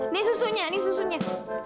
nih susunya nih susunya